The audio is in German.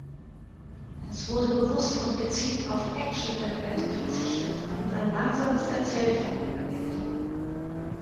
Es wurde bewusst und gezielt auf Action-Elemente verzichtet und ein langsames Erzähltempo gewählt.